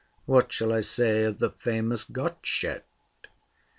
What shall I say of the famous Gottschedt?